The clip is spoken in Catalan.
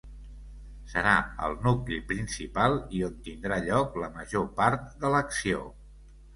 Serà el nucli principal i on tindrà lloc la major part de l'acció.